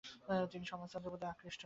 তিনি সমাজতন্ত্রের প্রতি আকৃষ্ট হন।